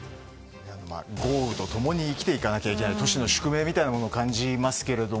豪雨と共に生きていかなくちゃいけない都市の宿命みたいなものを感じますけど。